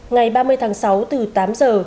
ngày ba mươi tháng sáu từ tám giờ